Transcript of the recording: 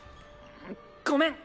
ごめん。